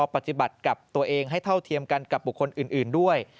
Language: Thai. ปฏิบัติกับตัวเองให้เท่าเทียมกันกับบุคคลอื่นด้วย